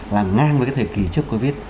là ngang với thời kỳ trước covid